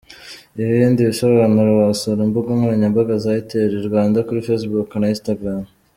Ibindi bisobanuro wasura imbuga nkoranyambaga za itel Rwanda kuri facebook na instagram.